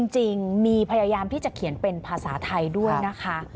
จริงมีพยายามที่จะเขียนเป็นภาษาไทยด้วยนะคะ